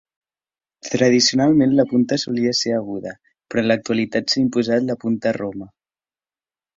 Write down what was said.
Tradicionalment la punta solia ser aguda, però en l'actualitat s'ha imposat la punta roma.